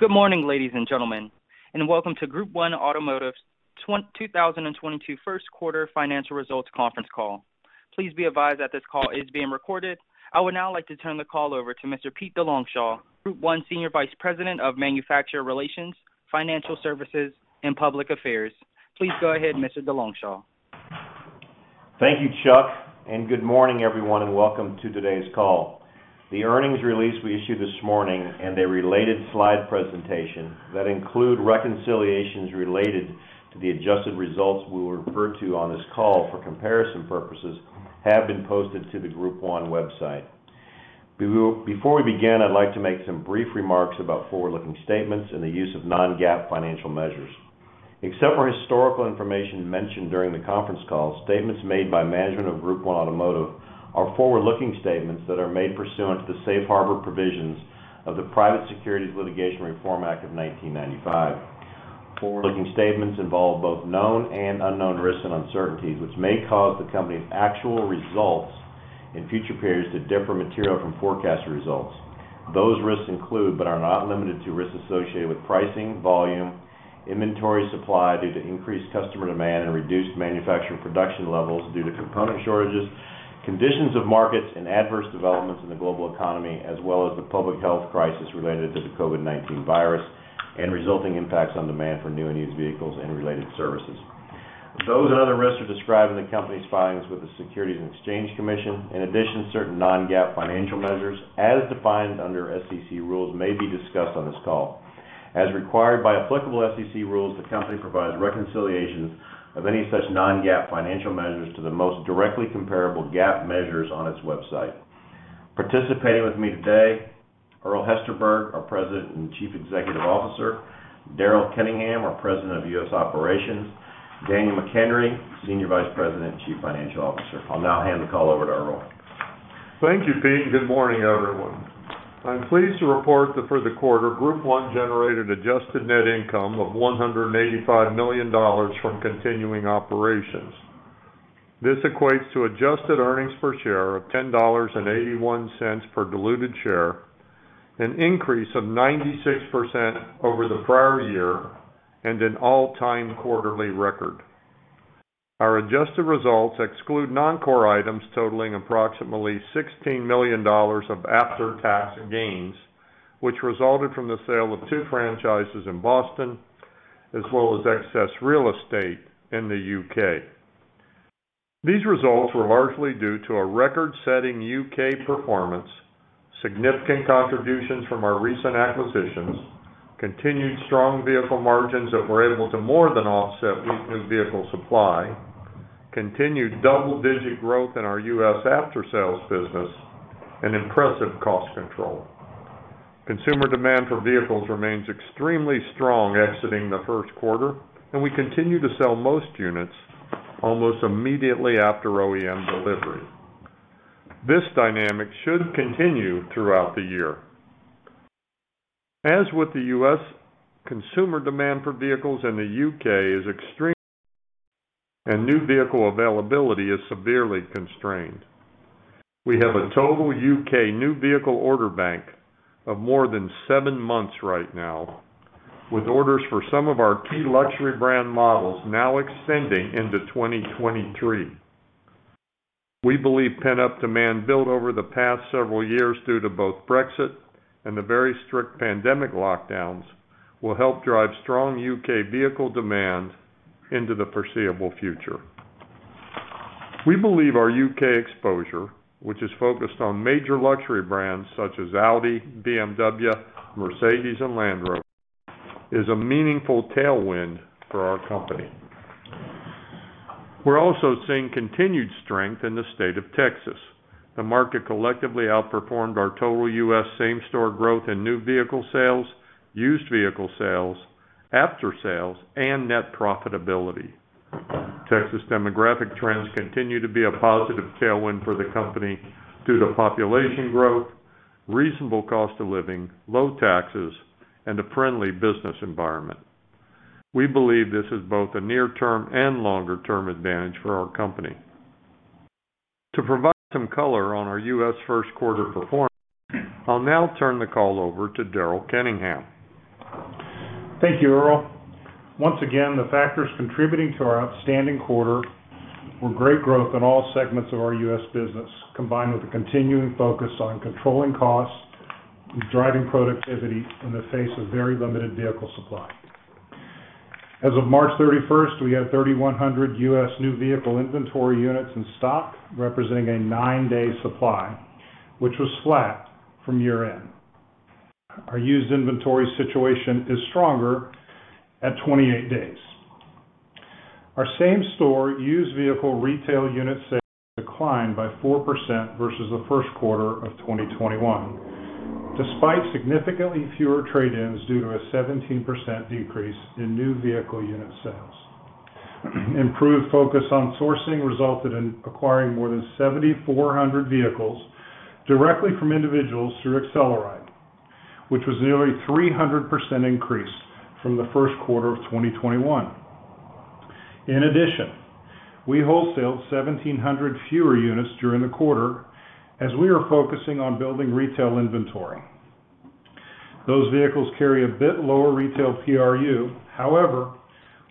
Good morning, ladies and gentlemen, and welcome to Group 1 Automotive's 2022 Q1 financial results conference call. Please be advised that this call is being recorded. I would now like to turn the call over to Mr. Pete DeLongchamps, Group 1 Senior Vice President of Manufacturer Relations, Financial Services, and Public Affairs. Please go ahead, Mr. DeLongchamps. Thank you, Chuck, and good morning, everyone, and welcome to today's call. The earnings release we issued this morning and a related slide presentation that include reconciliations related to the adjusted results we will refer to on this call for comparison purposes have been posted to the Group 1 website. Before we begin, I'd like to make some brief remarks about forward-looking statements and the use of non-GAAP financial measures. Except for historical information mentioned during the conference call, statements made by management of Group 1 Automotive are forward-looking statements that are made pursuant to the Safe Harbor provisions of the Private Securities Litigation Reform Act of 1995. Forward-looking statements involve both known and unknown risks and uncertainties, which may cause the company's actual results in future periods to differ materially from forecast results. Those risks include, but are not limited to, risks associated with pricing, volume, inventory supply due to increased customer demand and reduced manufacturer production levels due to component shortages, conditions of markets and adverse developments in the global economy, as well as the public health crisis related to the COVID-19 virus and resulting impacts on demand for new and used vehicles and related services. Those and other risks are described in the company's filings with the Securities and Exchange Commission. In addition, certain non-GAAP financial measures, as defined under SEC rules, may be discussed on this call. As required by applicable SEC rules, the company provides reconciliations of any such non-GAAP financial measures to the most directly comparable GAAP measures on its website. Participating with me today, Earl Hesterberg, our President and Chief Executive Officer, Daryl Kenningham, our President of U.S. Operations, Daniel McHenry, Senior Vice President and Chief Financial Officer. I'll now hand the call over to Earl. Thank you, Pete. Good morning, everyone. I'm pleased to report that for the quarter, Group 1 generated adjusted net income of $185 million from continuing operations. This equates to adjusted earnings per share of $10.81 per diluted share, an increase of 96% over the prior year, and an all-time quarterly record. Our adjusted results exclude non-core items totaling approximately $16 million of after-tax gains, which resulted from the sale of two franchises in Boston, as well as excess real estate in the U.K. These results were largely due to a record-setting U.K. performance, significant contributions from our recent acquisitions, continued strong vehicle margins that were able to more than offset weak new vehicle supply, continued double-digit growth in our U.S. after-sales business, and impressive cost control. Consumer demand for vehicles remains extremely strong exiting the Q1, and we continue to sell most units almost immediately after OEM delivery. This dynamic should continue throughout the year. As with the U.S., consumer demand for vehicles in the U.K. is extreme and new vehicle availability is severely constrained. We have a total U.K. new vehicle order bank of more than seven months right now, with orders for some of our key luxury brand models now extending into 2023. We believe pent-up demand built over the past several years due to both Brexit and the very strict pandemic lockdowns will help drive strong U.K. vehicle demand into the foreseeable future. We believe our U.K. exposure, which is focused on major luxury brands such as Audi, BMW, Mercedes-Benz, and Land Rover, is a meaningful tailwind for our company. We're also seeing continued strength in the state of Texas. The market collectively outperformed our total US same-store growth in new vehicle sales, used vehicle sales, after sales, and net profitability. Texas demographic trends continue to be a positive tailwind for the company due to population growth, reasonable cost of living, low taxes, and a friendly business environment. We believe this is both a near-term and longer-term advantage for our company. To provide some color on our US Q1 performance, I'll now turn the call over to Daryl Kenningham. Thank you, Earl. Once again, the factors contributing to our outstanding quarter were great growth in all segments of our U.S. business, combined with a continuing focus on controlling costs and driving productivity in the face of very limited vehicle supply. As of March 31, we had 3,100 U.S. new vehicle inventory units in stock, representing a nine-day supply, which was flat from year-end. Our used inventory situation is stronger at 28 days. Our same-store used vehicle retail unit sales declined by 4% versus the Q1 of 2021, despite significantly fewer trade-ins due to a 17% decrease in new vehicle unit sales. Improved focus on sourcing resulted in acquiring more than 7,400 vehicles directly from individuals through AcceleRide, which was nearly 300% increase from the Q1 of 2021. In addition, we wholesaled 1,700 fewer units during the quarter as we are focusing on building retail inventory. Those vehicles carry a bit lower retail PRU. However,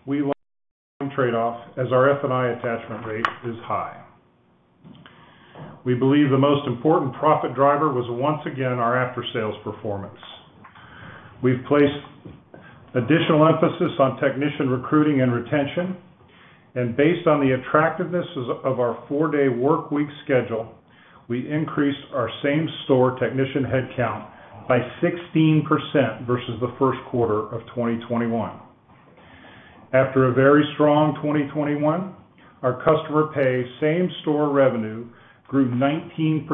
we like the volume trade-off as our F&I attachment rate is high. We believe the most important profit driver was once again our after-sales performance. We've placed additional emphasis on technician recruiting and retention, and based on the attractiveness of our four-day workweek schedule, we increased our same-store technician headcount by 16% versus the Q1 of 2021. After a very strong 2021, our customer pay same-store revenue grew 19%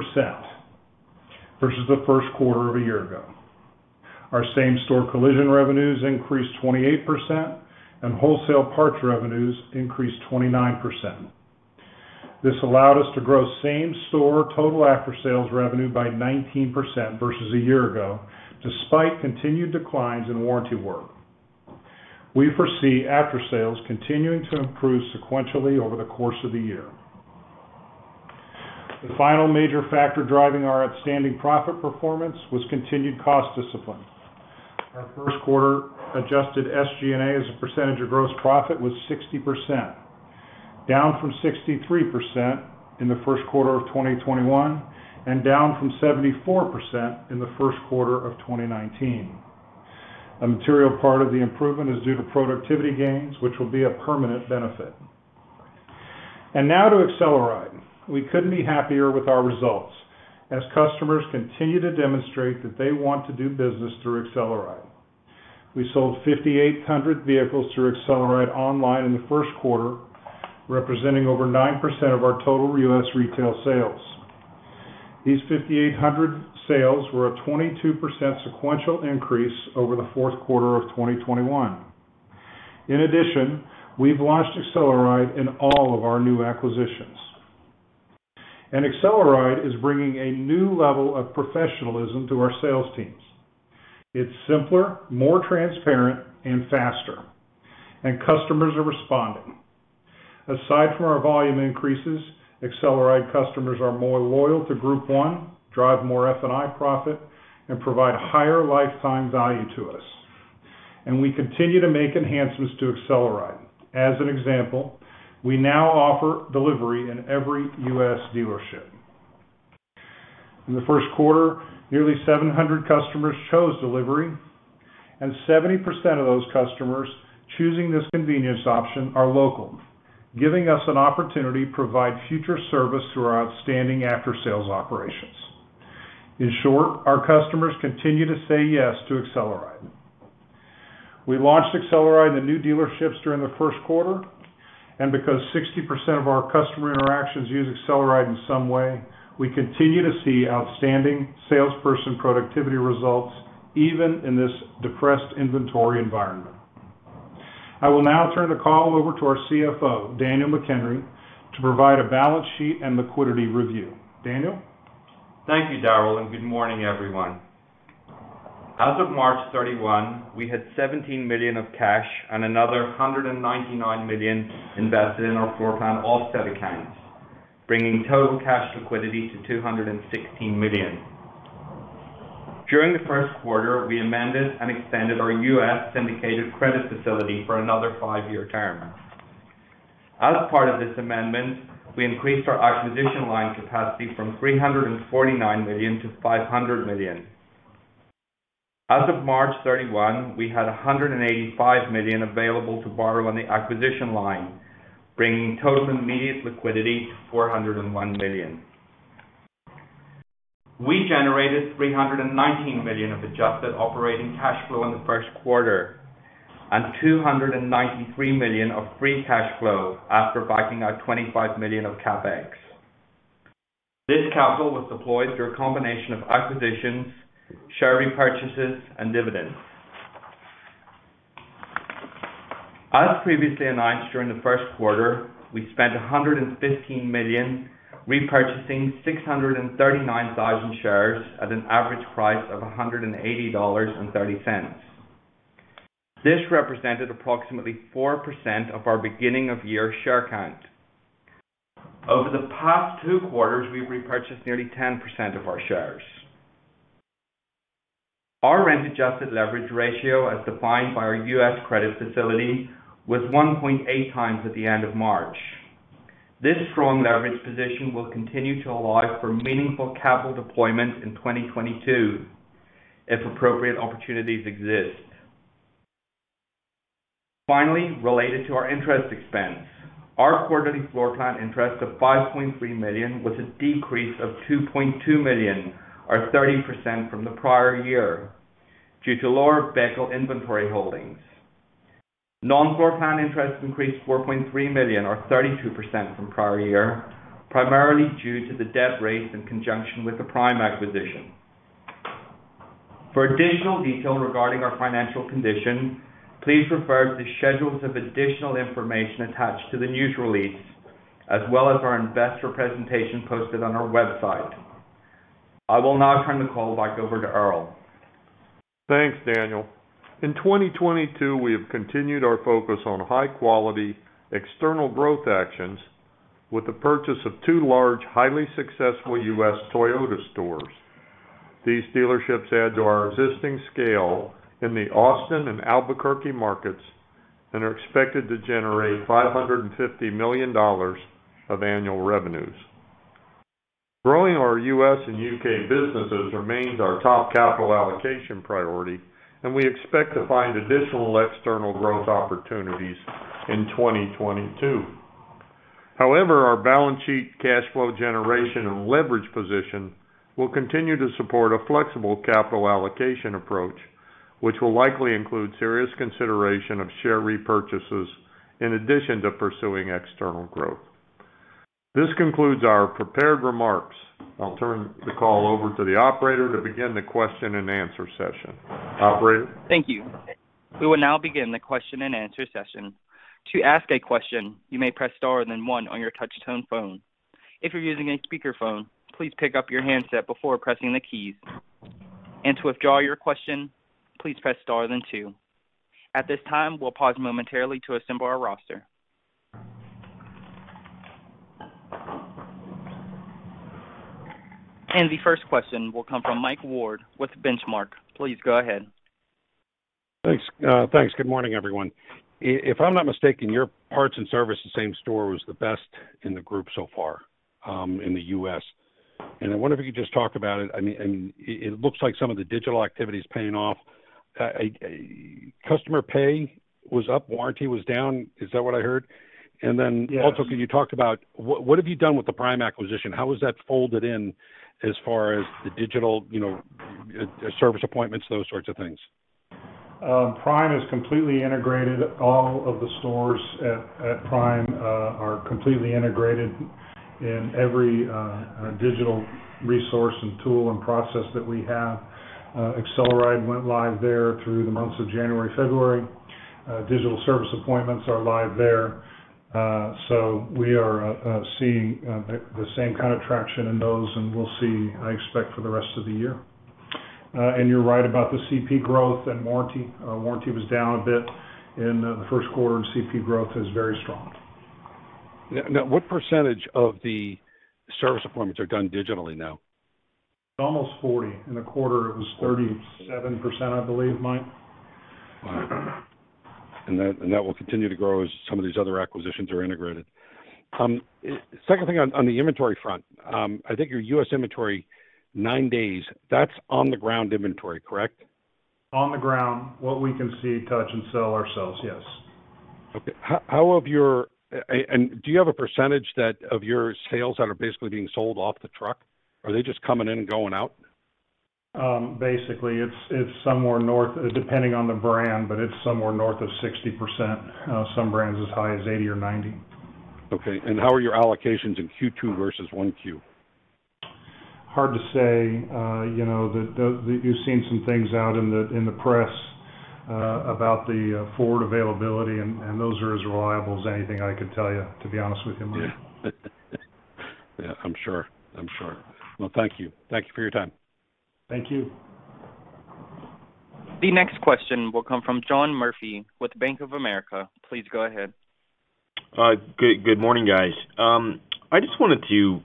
versus the Q1 of a year ago. Our same-store collision revenues increased 28% and wholesale parts revenues increased 29%. This allowed us to grow same-store total after-sales revenue by 19% versus a year ago, despite continued declines in warranty work. We foresee after-sales continuing to improve sequentially over the course of the year. The final major factor driving our outstanding profit performance was continued cost discipline. Our Q1 adjusted SG&A as a percentage of gross profit was 60%, down from 63% in the Q1 of 2021, and down from 74% in the Q1 of 2019. A material part of the improvement is due to productivity gains, which will be a permanent benefit. Now to AcceleRide. We couldn't be happier with our results as customers continue to demonstrate that they want to do business through AcceleRide. We sold 5,800 vehicles through AcceleRide online in the Q1, representing over 9% of our total US retail sales. These 5,800 sales were a 22% sequential increase over the Q4 of 2021. In addition, we've launched AcceleRide in all of our new acquisitions. AcceleRide is bringing a new level of professionalism to our sales teams. It's simpler, more transparent, and faster, and customers are responding. Aside from our volume increases, AcceleRide customers are more loyal to Group 1, drive more F&I profit, and provide higher lifetime value to us. We continue to make enhancements to AcceleRide. As an example, we now offer delivery in every US dealership. In the Q1, nearly 700 customers chose delivery, and 70% of those customers choosing this convenience option are local, giving us an opportunity to provide future service through our outstanding after-sales operations. In short, our customers continue to say yes to AcceleRide. We launched AcceleRide in the new dealerships during the Q1, and because 60% of our customer interactions use AcceleRide in some way, we continue to see outstanding salesperson productivity results even in this depressed inventory environment. I will now turn the call over to our CFO, Daniel McHenry, to provide a balance sheet and liquidity review. Daniel? Thank you, Daryl, and good morning, everyone. As of March 31, we had $17 million of cash and another $199 million invested in our floorplan offset account, bringing total cash liquidity to $216 million. During the Q1, we amended and extended our U.S. syndicated credit facility for another 5-year term. As part of this amendment, we increased our acquisition line capacity from $349 million to $500 million. As of March 31, we had $185 million available to borrow on the acquisition line, bringing total immediate liquidity to $401 million. We generated $319 million of adjusted operating cash flow in the Q1 and $293 million of free cash flow after backing out $25 million of CapEx. This capital was deployed through a combination of acquisitions, share repurchases, and dividends. As previously announced, during the Q1 we spent $115 million repurchasing 639,000 shares at an average price of $180.30. This represented approximately 4% of our beginning-of-year share count. Over the past two quarters, we've repurchased nearly 10% of our shares. Our net adjusted leverage ratio, as defined by our U.S. credit facility, was 1.8 times at the end of March. This strong leverage position will continue to allow for meaningful capital deployment in 2022 if appropriate opportunities exist. Finally, related to our interest expense, our quarterly floorplan interest of $5.3 million was a decrease of $2.2 million, or 30% from the prior year due to lower vehicle inventory holdings. Non-floorplan interest increased $4.3 million or 32% from prior year, primarily due to the debt raised in conjunction with the Prime acquisition. For additional detail regarding our financial condition, please refer to the schedules of additional information attached to the news release as well as our investor presentation posted on our website. I will now turn the call back over to Earl. Thanks, Daniel. In 2022, we have continued our focus on high quality external growth actions with the purchase of two large highly successful U.S. Toyota stores. These dealerships add to our existing scale in the Austin and Albuquerque markets and are expected to generate $550 million of annual revenues. Growing our U.S. and U.K. businesses remains our top capital allocation priority, and we expect to find additional external growth opportunities in 2022. However, our balance sheet cash flow generation and leverage position will continue to support a flexible capital allocation approach, which will likely include serious consideration of share repurchases in addition to pursuing external growth. This concludes our prepared remarks. I'll turn the call over to the operator to begin the question and answer session. Operator? Thank you. We will now begin the question and answer session. To ask a question, you may press star and then one on your touch tone phone. If you're using a speakerphone, please pick up your handset before pressing the keys. To withdraw your question, please press star then two. At this time, we'll pause momentarily to assemble our roster. The first question will come from Mike Ward with Benchmark. Please go ahead. Thanks. Good morning, everyone. If I'm not mistaken, your parts and service same store was the best in the group so far in the US. I wonder if you just talk about it. I mean, it looks like some of the digital activity is paying off. A customer pay was up, warranty was down. Is that what I heard? Then Yes. Also, can you talk about what have you done with the Prime acquisition? How has that folded in as far as the digital, you know, service appointments, those sorts of things? Prime is completely integrated. All of the stores at Prime are completely integrated in every digital resource and tool and process that we have. AcceleRide went live there through the months of January, February. Digital service appointments are live there. We are seeing the same kind of traction in those, and we'll see, I expect for the rest of the year. You're right about the CP growth and warranty. Warranty was down a bit in the Q1, and CP growth is very strong. Now, what percentage of the service appointments are done digitally now? It's almost 40. In a quarter, it was 37%, I believe, Mike. All right. That will continue to grow as some of these other acquisitions are integrated. Second thing on the inventory front, I think your U.S. inventory, nine days, that's on the ground inventory, correct? On the ground, what we can see, touch, and sell ourselves, yes. Okay. Do you have a percentage of your sales that are basically being sold off the truck? Are they just coming in and going out? Basically, it's somewhere north, depending on the brand, but it's somewhere north of 60%. Some brands as high as 80% or 90%. Okay. How are your allocations in Q2 versus 1Q? Hard to say. You know, you've seen some things out in the press about the Ford availability, and those are as reliable as anything I could tell you, to be honest with you, Mike. Yeah, I'm sure. Well, thank you for your time. Thank you. The next question will come from John Murphy with Bank of America. Please go ahead. Good morning, guys. I just wanted to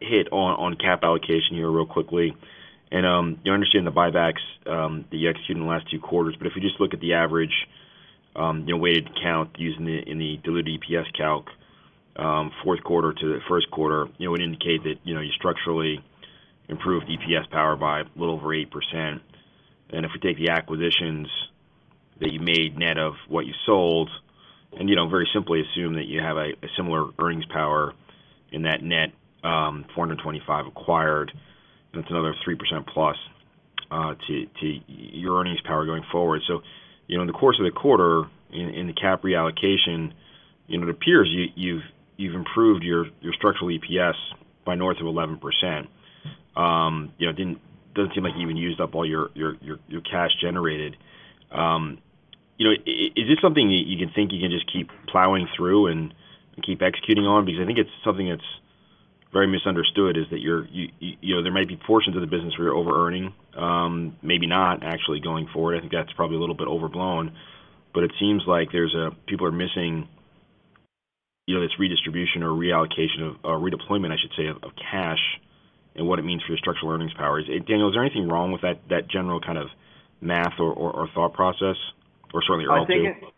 hit on cap allocation here real quickly, and you understand the buybacks that you executed in the last two quarters. If you just look at the average, you know, weighted count using in the diluted EPS calc, Q4 to the Q1, it would indicate that, you know, you structurally improved EPS power by a little over 8%. If we take the acquisitions that you made net of what you sold and, you know, very simply assume that you have a similar earnings power in that net 425 acquired, that's another 3% plus to your earnings power going forward. You know, in the course of the quarter, in the CapEx reallocation, you know, it appears you've improved your structural EPS by north of 11%. You know, it doesn't seem like you even used up all your cash generated. You know, is this something that you think you can just keep plowing through and keep executing on? Because I think it's something that's very misunderstood is that you're, you know, there might be portions of the business where you're overearning, maybe not actually going forward. I think that's probably a little bit overblown. But it seems like people are missing, you know, this redistribution or reallocation of, or redeployment, I should say, of cash and what it means for your structural earnings power. Daniel, is there anything wrong with that general kind of math or thought process or certainly your outlook?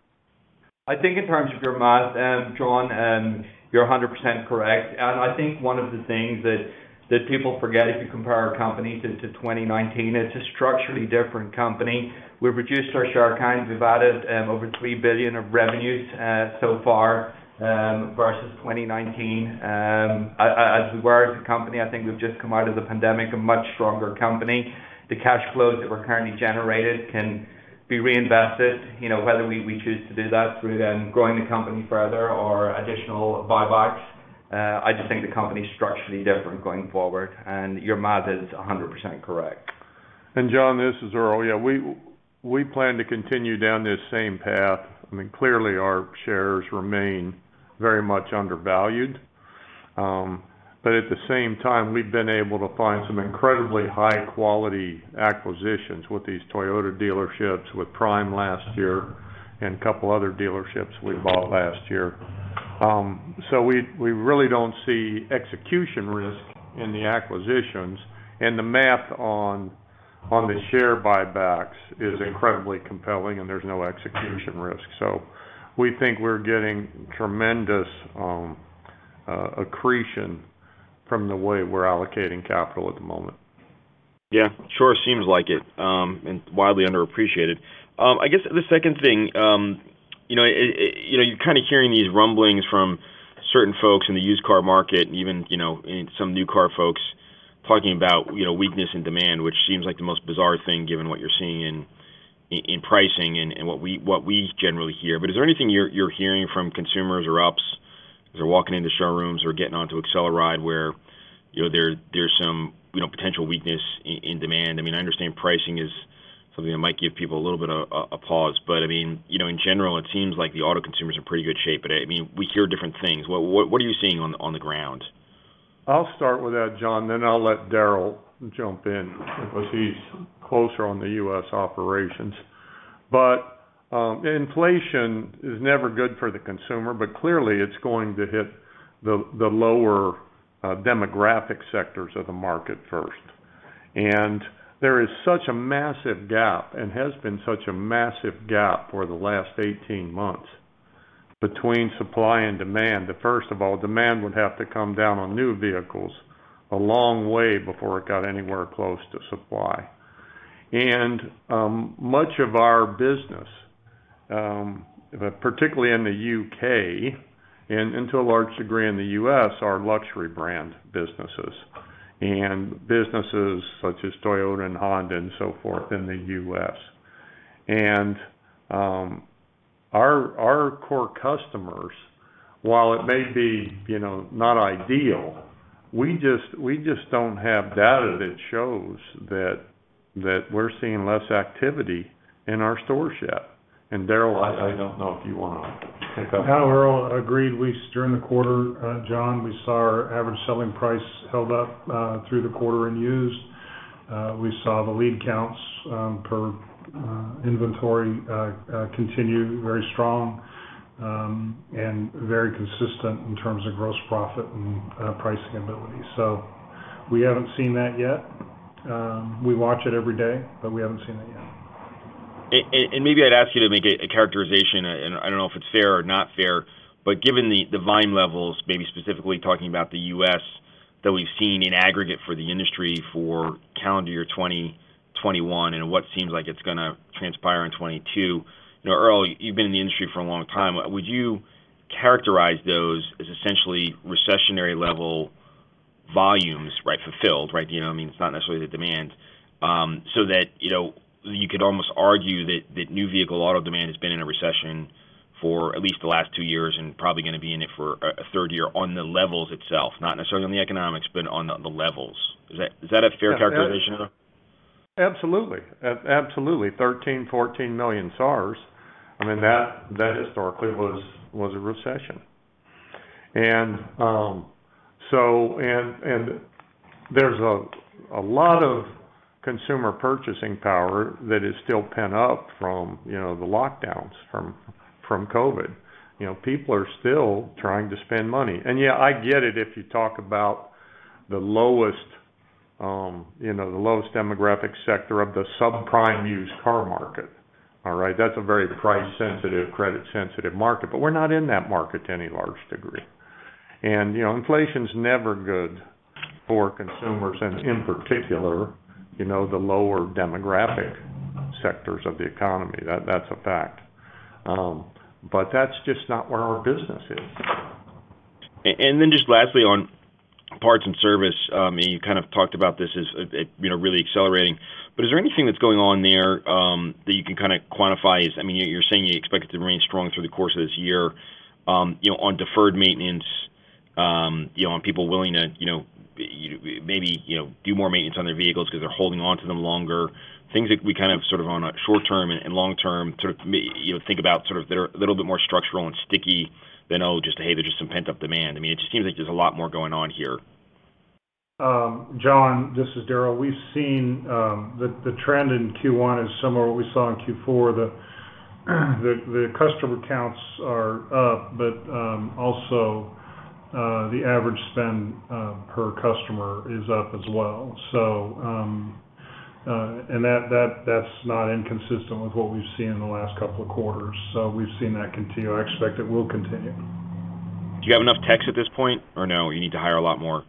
I think in terms of your math, John, you're 100% correct. I think one of the things that people forget if you compare our company to 2019, it's a structurally different company. We've reduced our share count. We've added over $3 billion of revenues so far versus 2019. As we were as a company, I think we've just come out of the pandemic a much stronger company. The cash flows that we're currently generated can be reinvested, you know, whether we choose to do that through then growing the company further or additional buybacks. I just think the company's structurally different going forward, and your math is 100% correct. John, this is Earl. Yeah, we plan to continue down this same path. I mean, clearly our shares remain very much undervalued. At the same time, we've been able to find some incredibly high-quality acquisitions with these Toyota dealerships, with Prime last year, and a couple other dealerships we bought last year. We really don't see execution risk in the acquisitions, and the math on the share buybacks is incredibly compelling, and there's no execution risk. We think we're getting tremendous accretion from the way we're allocating capital at the moment. Yeah. Sure seems like it, and widely underappreciated. I guess the second thing, you know, you're kinda hearing these rumblings from certain folks in the used car market, even, you know, and some new car folks talking about, you know, weakness in demand, which seems like the most bizarre thing given what you're seeing in pricing and what we generally hear. But is there anything you're hearing from consumers or ops as they're walking into showrooms or getting onto AcceleRide where, you know, there's some, you know, potential weakness in demand? I mean, I understand pricing is something that might give people a little bit of a pause, but I mean, you know, in general, it seems like the auto consumers are in pretty good shape. I mean, we hear different things. What are you seeing on the ground? I'll start with that, John, then I'll let Daryl jump in because he's closer on the U.S. operations. Inflation is never good for the consumer, but clearly it's going to hit the lower demographic sectors of the market first. There is such a massive gap and has been such a massive gap for the last 18 months between supply and demand, that first of all, demand would have to come down on new vehicles a long way before it got anywhere close to supply. Much of our business, particularly in the U.K. and to a large degree in the U.S., are luxury brand businesses and businesses such as Toyota and Honda and so forth in the U.S. Our core customers, while it may be, you know, not ideal, we just don't have data that shows that we're seeing less activity in our stores yet. Daryl, I don't know if you wanna take that one. No, Earl. Agreed. During the quarter, John, we saw our average selling price held up through the quarter in used. We saw the lead counts per inventory continue very strong and very consistent in terms of gross profit and pricing ability. We haven't seen that yet. We watch it every day, but we haven't seen it yet. Maybe I'd ask you to make a characterization, and I don't know if it's fair or not fair, but given the volume levels, maybe specifically talking about the U.S. that we've seen in aggregate for the industry for calendar year 2021 and what seems like it's gonna transpire in 2022. You know, Earl, you've been in the industry for a long time. Would you characterize those as essentially recessionary level volumes, right, you feel it, right? You know what I mean? It's not necessarily the demand. So that, you know, you could almost argue that new vehicle auto demand has been in a recession for at least the last two years and probably gonna be in it for a third year on the levels itself, not necessarily on the economics, but on the levels. Is that a fair characterization of it? Absolutely. 13-14 million SAARs, I mean, that historically was a recession. There's a lot of consumer purchasing power that is still pent up from the lockdowns from COVID. You know, people are still trying to spend money. Yeah, I get it if you talk about the lowest demographic sector of the subprime used car market. All right. That's a very price-sensitive, credit-sensitive market. We're not in that market to any large degree. You know, inflation's never good for consumers and in particular, you know, the lower demographic sectors of the economy. That's a fact. That's just not where our business is. Just lastly on parts and service, I mean, you kind of talked about this as, you know, really accelerating. Is there anything that's going on there, that you can kinda quantify as I mean, you're saying you expect it to remain strong through the course of this year, you know, on deferred maintenance, you know, on people willing to, you know, maybe, you know, do more maintenance on their vehicles because they're holding onto them longer. Things that we kind of sort of on a short term and long term sort of, you know, think about sort of they're a little bit more structural and sticky than, oh, just, hey, they're just some pent-up demand. I mean, it just seems like there's a lot more going on here. John, this is Daryl. We've seen the trend in Q1 is similar to what we saw in Q4. The customer counts are up, but also the average spend per customer is up as well. And that's not inconsistent with what we've seen in the last couple of quarters. We've seen that continue. I expect it will continue. Do you have enough techs at this point, or no, you need to hire a lot more?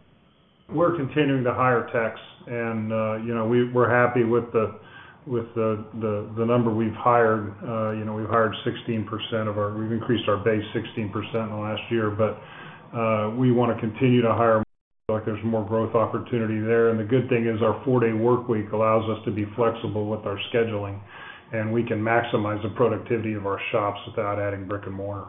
We're continuing to hire techs and we're happy with the number we've hired. We've increased our base 16% in the last year. We wanna continue to hire, like there's more growth opportunity there. The good thing is our four-day workweek allows us to be flexible with our scheduling, and we can maximize the productivity of our shops without adding brick-and-mortar.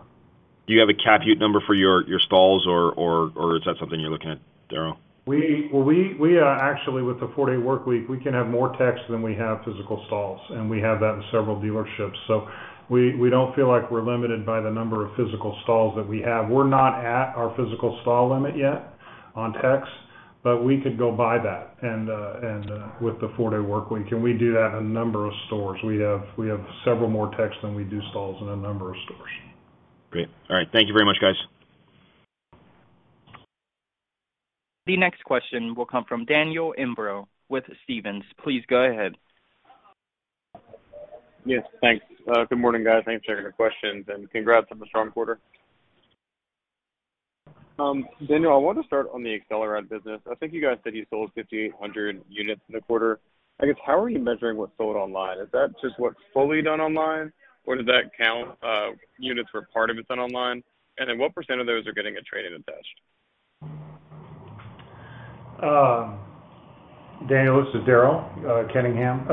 Do you have a cap-u number for your stalls or is that something you're looking at, Daryl? Well, actually with the four-day workweek, we can have more techs than we have physical stalls, and we have that in several dealerships. We don't feel like we're limited by the number of physical stalls that we have. We're not at our physical stall limit yet on techs. We could go by that and with the four-day workweek, and we do that in a number of stores. We have several more techs than we do stalls in a number of stores. Great. All right. Thank you very much, guys. The next question will come from Daniel Imbro with Stephens. Please go ahead. Yes, thanks. Good morning, guys. Thanks for taking the questions, and congrats on the strong quarter. Daniel, I want to start on the AcceleRide business. I think you guys said you sold 5,800 units in the quarter. I guess, how are you measuring what's sold online? Is that just what's fully done online, or does that count units where part of it's done online? And then what % of those are getting a trade-in attached? Daniel, this is Daryl Kenningham.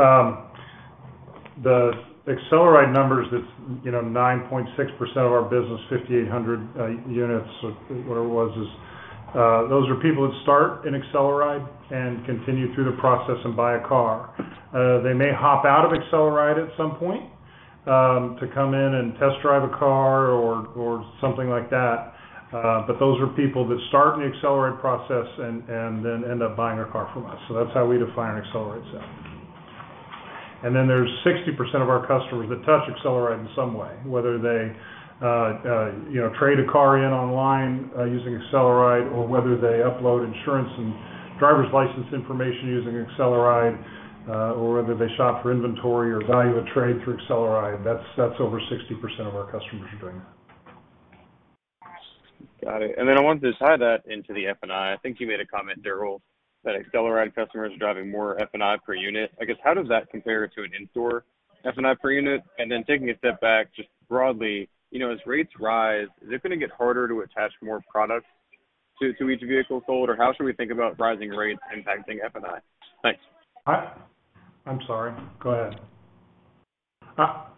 The AcceleRide numbers, that's, you know, 9.6% of our business, 5,800 units or whatever was. Those are people that start in AcceleRide and continue through the process and buy a car. They may hop out of AcceleRide at some point to come in and test drive a car or something like that. But those are people that start in the AcceleRide process and then end up buying their car from us. So that's how we define an AcceleRide sale. There's 60% of our customers that touch AcceleRide in some way, whether they, you know, trade a car in online using AcceleRide or whether they upload insurance and driver's license information using AcceleRide or whether they shop for inventory or value a trade through AcceleRide. That's over 60% of our customers are doing that. Got it. Then I wanted to tie that into the F&I. I think you made a comment, Daryl, that AcceleRide customers are driving more F&I per unit. I guess, how does that compare to an in-store F&I per unit? Then taking a step back, just broadly, you know, as rates rise, is it gonna get harder to attach more products to each vehicle sold? How should we think about rising rates impacting F&I? Thanks. I'm sorry. Go ahead.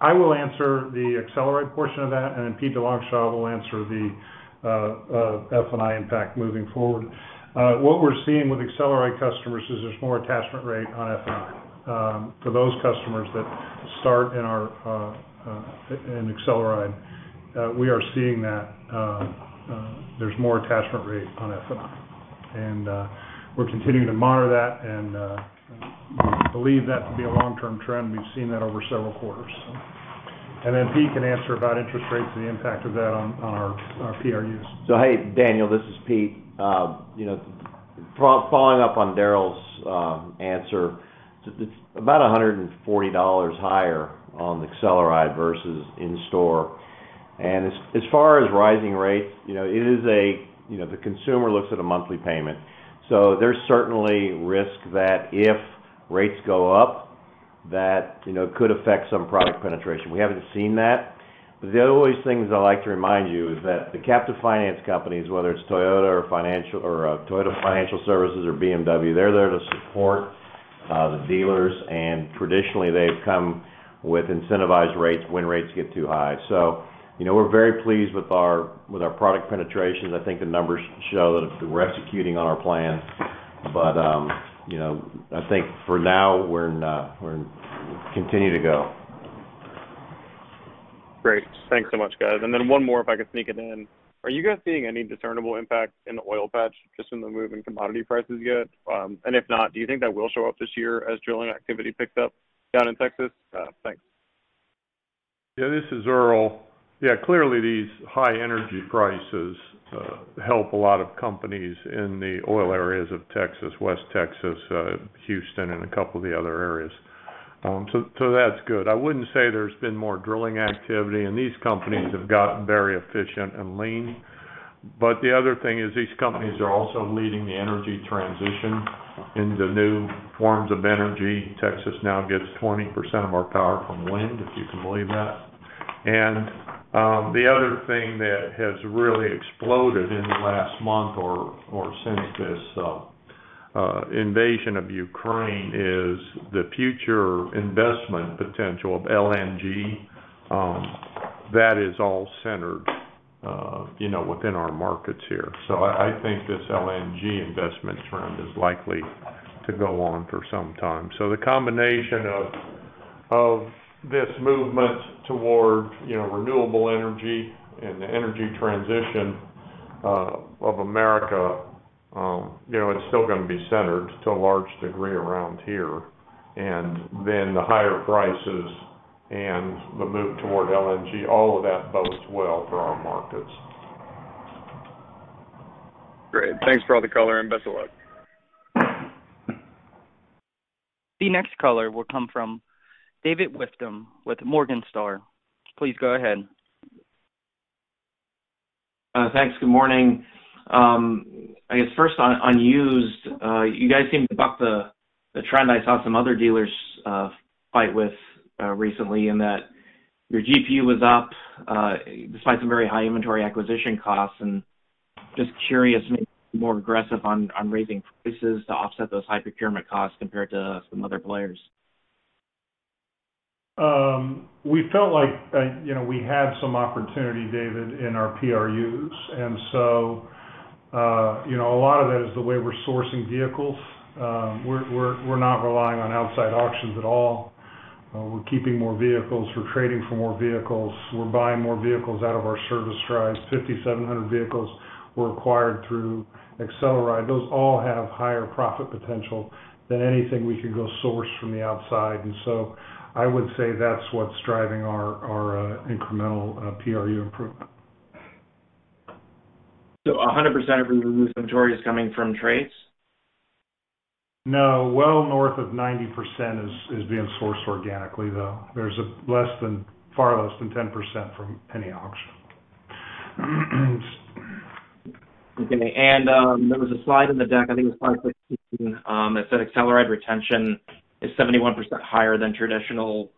I will answer the AcceleRide portion of that, and then Pete DeLongchamps will answer the F&I impact moving forward. What we're seeing with AcceleRide customers is there's more attachment rate on F&I. For those customers that start in AcceleRide, we are seeing that there's more attachment rate on F&I. We're continuing to monitor that and believe that to be a long-term trend. We've seen that over several quarters. Pete can answer about interest rates and the impact of that on our PRUs. Hey, Daniel, this is Pete. Following up on Daryl's answer about $140 higher on AcceleRide versus in-store. As far as rising rates, you know, it is, you know, the consumer looks at a monthly payment. There's certainly risk that if rates go up, you know, could affect some product penetration. We haven't seen that. The other thing I always like to remind you is that the captive finance companies, whether it's Toyota Financial Services or BMW, they're there to support the dealers. Traditionally, they've come with incentivized rates when rates get too high. You know, we're very pleased with our product penetrations. I think the numbers show that we're executing on our plan. You know, I think for now, we're continue to go. Great. Thanks so much, guys. One more, if I could sneak it in. Are you guys seeing any discernible impact in the oil patch just in the move in commodity prices yet? If not, do you think that will show up this year as drilling activity picks up down in Texas? Thanks. Yeah, this is Earl. Yeah, clearly, these high energy prices help a lot of companies in the oil areas of Texas, West Texas, Houston, and a couple of the other areas. That's good. I wouldn't say there's been more drilling activity, and these companies have gotten very efficient and lean. The other thing is these companies are also leading the energy transition into new forms of energy. Texas now gets 20% of our power from wind, if you can believe that. The other thing that has really exploded in the last month or since this invasion of Ukraine is the future investment potential of LNG that is all centered, you know, within our markets here. I think this LNG investment trend is likely to go on for some time. The combination of this movement toward, you know, renewable energy and the energy transition of America, you know, it's still gonna be centered to a large degree around here. The higher prices and the move toward LNG, all of that bodes well for our markets. Great. Thanks for all the color, and best of luck. The next caller will come from David Whiston with Morningstar. Please go ahead. Thanks. Good morning. I guess first on used, you guys seem to buck the trend I saw some other dealers fight with recently in that your GPU was up despite some very high inventory acquisition costs. Just curious, maybe more aggressive on raising prices to offset those high procurement costs compared to some other players. We felt like, you know, we had some opportunity, David, in our PRUs. You know, a lot of that is the way we're sourcing vehicles. We're not relying on outside auctions at all. We're keeping more vehicles, we're trading for more vehicles, we're buying more vehicles out of our service drives. 5,700 vehicles were acquired through AcceleRide. Those all have higher profit potential than anything we can go source from the outside. I would say that's what's driving our incremental PRU improvement. 100% of the reduced inventory is coming from trades? No. Well north of 90% is being sourced organically, though. There's far less than 10% from any auction. Okay. There was a slide in the deck, I think it was slide 16, that said AcceleRide retention is 71% higher than traditional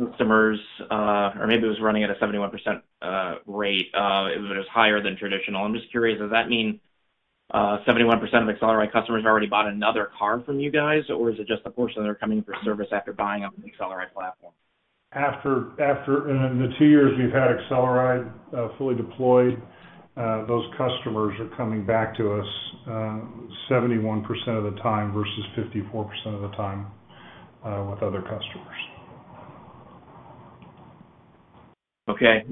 customers, or maybe it was running at a 71% rate, but it was higher than traditional. I'm just curious, does that mean 71% of AcceleRide customers already bought another car from you guys? Or is it just the portion that are coming for service after buying on the AcceleRide platform? In the two years we've had AcceleRide fully deployed, those customers are coming back to us 71% of the time versus 54% of the time with other customers. Okay.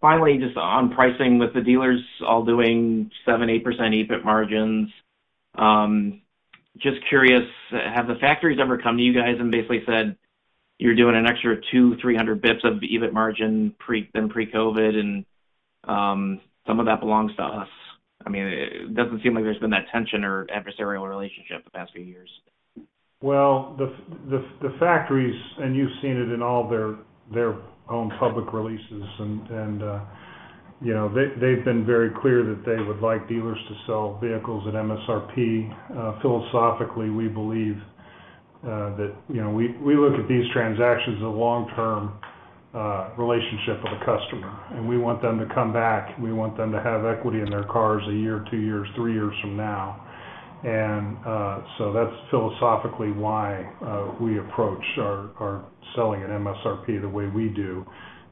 Finally, just on pricing with the dealers all doing 7%-8% EBIT margins, just curious, have the factories ever come to you guys and basically said, "You're doing an extra 200-300 basis points of the EBIT margin than pre-COVID, and some of that belongs to us." I mean, it doesn't seem like there's been that tension or adversarial relationship the past few years. Well, the factories, and you've seen it in all their own public releases, you know, they've been very clear that they would like dealers to sell vehicles at MSRP. Philosophically, we believe that you know, we look at these transactions as a long-term relationship with a customer, and we want them to come back. We want them to have equity in their cars a year, two years, three years from now. So that's philosophically why we approach our selling at MSRP the way we do.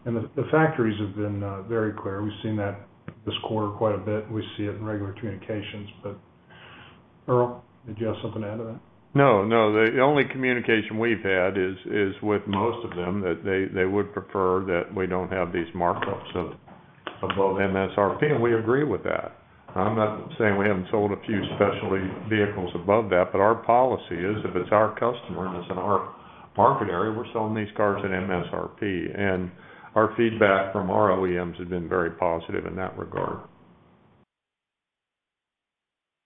The factories have been very clear. We've seen that this quarter quite a bit. We see it in regular communications. Earl, did you have something to add to that? No, no. The only communication we've had is with most of them, that they would prefer that we don't have these markups above MSRP, and we agree with that. I'm not saying we haven't sold a few specialty vehicles above that, but our policy is, if it's our customer and it's in our market area, we're selling these cars at MSRP. Our feedback from our OEMs has been very positive in that regard.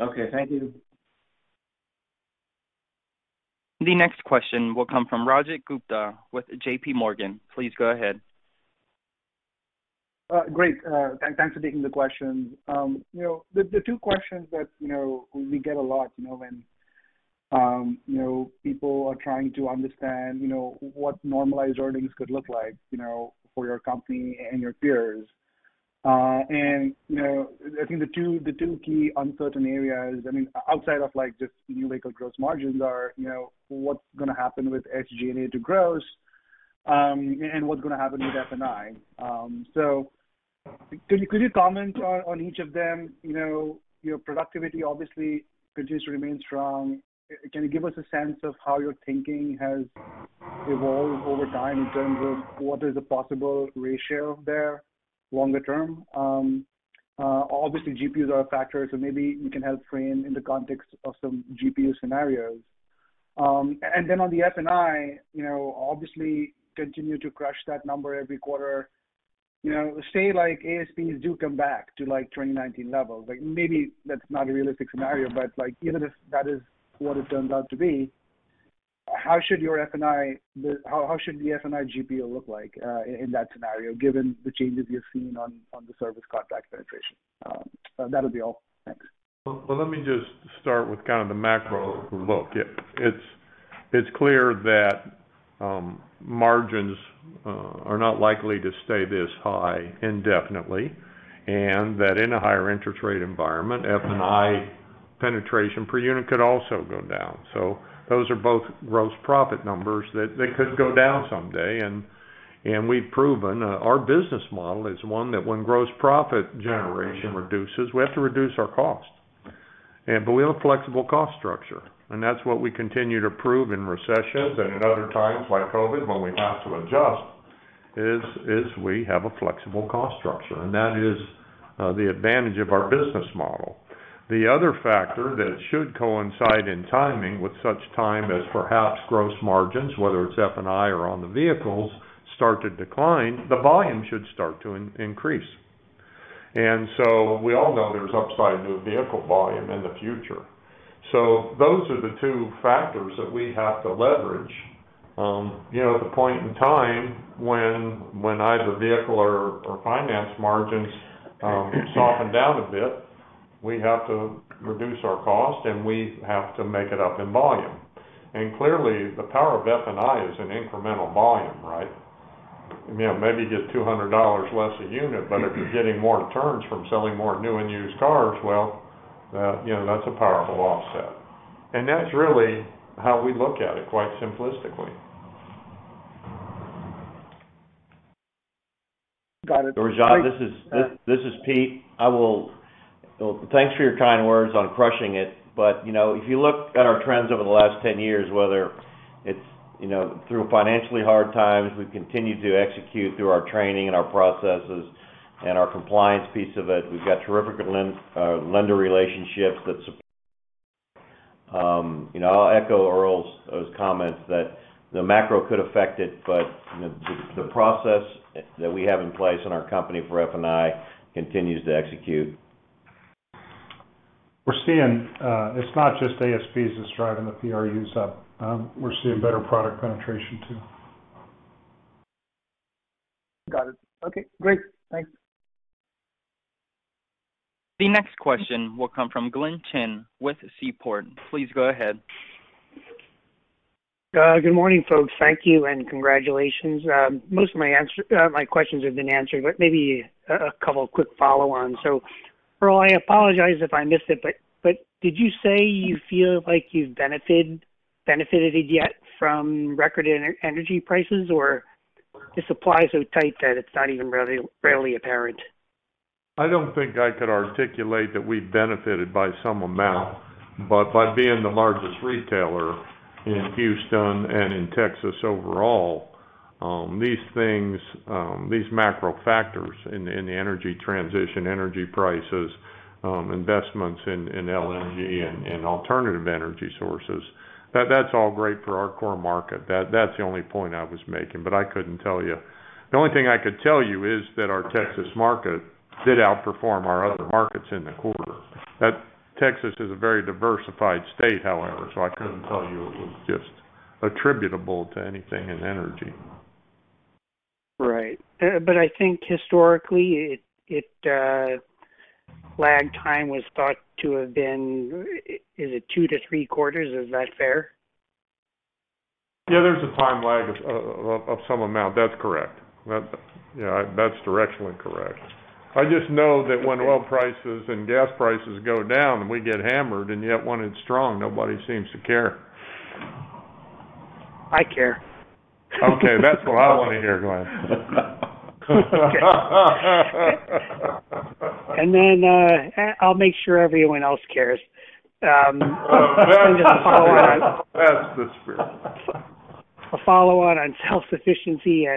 Okay. Thank you. The next question will come from Rajat Gupta with JPMorgan. Please go ahead. Great. Thanks for taking the question. You know, the two questions that we get a lot, you know, when people are trying to understand what normalized earnings could look like for your company and your peers. You know, I think the two key uncertain areas, I mean, outside of like just new vehicle gross margins are what's gonna happen with SG&A to gross and what's gonna happen with F&I. Could you comment on each of them? You know, your productivity obviously continues to remain strong. Can you give us a sense of how your thinking has evolved over time in terms of what is a possible ratio there longer term? Obviously, GPUs are a factor, so maybe you can help frame in the context of some GPU scenarios. On the F&I, you know, obviously continue to crush that number every quarter. You know, say like ASPs do come back to like 2019 levels, like maybe that's not a realistic scenario, but like, even if that is what it turns out to be, how should the F&I GPU look like in that scenario, given the changes you're seeing on the service contract penetration? That'll be all. Thanks. Well, let me just start with kind of the macro look. It's clear that margins are not likely to stay this high indefinitely, and that in a higher interest rate environment, F&I penetration per unit could also go down. Those are both gross profit numbers that they could go down someday, and we've proven our business model is one that when gross profit generation reduces, we have to reduce our costs. We have a flexible cost structure, and that's what we continue to prove in recessions and in other times like COVID, when we have to adjust, is we have a flexible cost structure, and that is the advantage of our business model. The other factor that should coincide in timing with such time as perhaps gross margins, whether it's F&I or on the vehicles, start to decline, the volume should start to increase. We all know there's upside to a vehicle volume in the future. Those are the two factors that we have to leverage. You know, at the point in time when either vehicle or finance margins soften down a bit, we have to reduce our cost and we have to make it up in volume. Clearly, the power of F&I is in incremental volume, right? You know, maybe you get $200 less a unit, but if you're getting more turns from selling more new and used cars, well, you know, that's a powerful offset. That's really how we look at it quite simplistically. Got it. Rajat, this is Pete. Well, thanks for your kind words on crushing it. You know, if you look at our trends over the last 10 years, whether it's, you know, through financially hard times, we've continued to execute through our training and our processes and our compliance piece of it. We've got terrific lender relationships that support. You know, I'll echo Earl's comments that the macro could affect it. You know, the process that we have in place in our company for F&I continues to execute. We're seeing, it's not just ASPs that's driving the PRUs up. We're seeing better product penetration too. Got it. Okay, great. Thanks. The next question will come from Glenn Chin with Seaport. Please go ahead. Good morning, folks. Thank you and congratulations. Most of my questions have been answered, but maybe a couple of quick follow on. Earl, I apologize if I missed it, but did you say you feel like you've benefited yet from record energy prices or is supply so tight that it's not even readily apparent? I don't think I could articulate that we've benefited by some amount. By being the largest retailer in Houston and in Texas overall, these macro factors in the energy transition, energy prices, investments in LNG and alternative energy sources, that's all great for our core market. That's the only point I was making. I couldn't tell you. The only thing I could tell you is that our Texas market did outperform our other markets in the quarter. That Texas is a very diversified state, however, so I couldn't tell you it was just attributable to anything in energy. Right. I think historically it lag time was thought to have been, is it two-three quarters? Is that fair? Yeah, there's a time lag of some amount. That's correct. Yeah, that's directionally correct. I just know that when oil prices and gas prices go down, we get hammered, and yet when it's strong, nobody seems to care. I care. Okay. That's what I wanna hear, Glenn. I'll make sure everyone else cares. Just a follow on. That's the spirit. A follow on self-sufficiency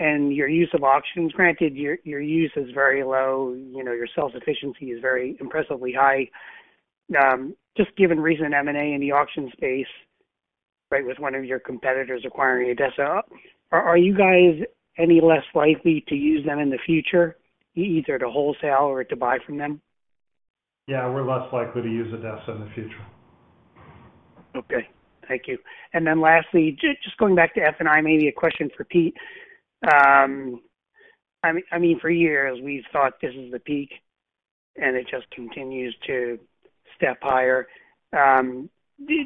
and your use of auctions, granted your use is very low, you know, your self-sufficiency is very impressively high. Just given recent M&A in the auction space, right? With one of your competitors acquiring ADESA. Are you guys any less likely to use them in the future, either to wholesale or to buy from them? Yeah, we're less likely to use ADESA in the future. Okay. Thank you. Then lastly, just going back to F&I, maybe a question for Pete. I mean, for years we've thought this is the peak and it just continues to step higher. Do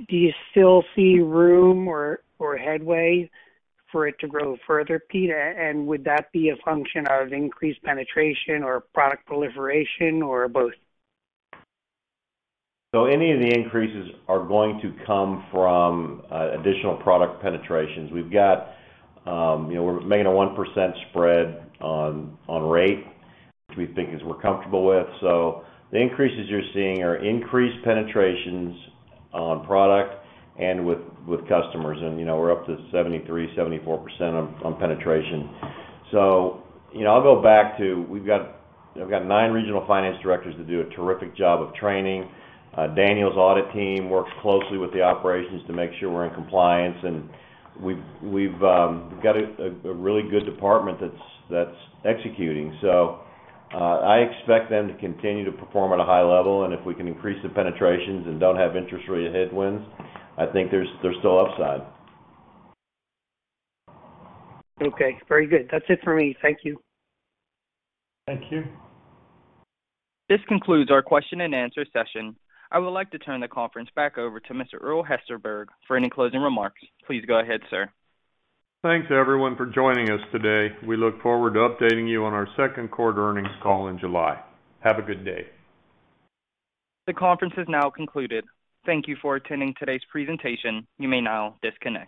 you still see room or headway for it to grow further, Pete? Would that be a function of increased penetration or product proliferation or both? Any of the increases are going to come from additional product penetrations. We've got, you know, we're making a 1% spread on rate, which we think we're comfortable with. The increases you're seeing are increased penetrations on product and with customers. You know, we're up to 73%-74% on penetration. You know, I'll go back to we've got nine regional finance directors that do a terrific job of training. Daniel's audit team works closely with the operations to make sure we're in compliance. We've got a really good department that's executing. I expect them to continue to perform at a high level, and if we can increase the penetrations and don't have interest rate headwinds, I think there's still upside. Okay. Very good. That's it for me. Thank you. Thank you. This concludes our question and answer session. I would like to turn the conference back over to Mr. Earl Hesterberg for any closing remarks. Please go ahead, sir. Thanks, everyone, for joining us today. We look forward to updating you on our Q2 earnings call in July. Have a good day. The conference is now concluded. Thank you for attending today's presentation. You may now disconnect.